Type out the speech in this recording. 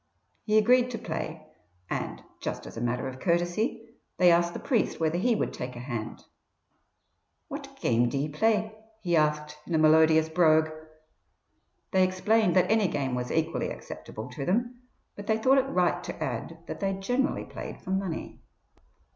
He agreed to play, and, just as a matter of courtesy, they asked the priest whether he would take a hand. "What game d'ye play?" he asked, in a melodious brogue. They explained that any game was equally acceptable to them, but they thought it right to add that they generally played for money.